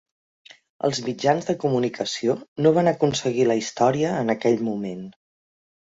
Els mitjans de comunicació no van aconseguir la història en aquell moment.